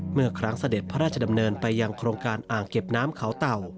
เมื่อครั้งเสด็จพระราชดำเนินไปยังโครงการอ่างเก็บน้ำเขาเต่า